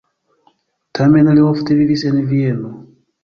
Tamen li ofte vivis en Vieno.